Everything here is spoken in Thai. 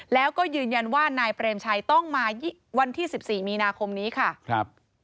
แล้วก็ยืนยันว่านายเปรมชัยต้องมาวันที่๑๔มีนาคมนี้ค่ะครับ